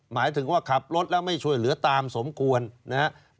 หมายถึงว่าขับรถแล้วไม่ช่วยเหลือตามสมควรนะครับ